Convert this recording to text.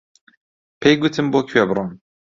پێی گوتم بۆ کوێ بڕۆم.